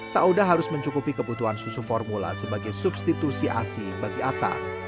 sauda harus mencukupi kebutuhan susu formula sebagai substitusi asi bagi attar